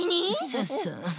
そうそう。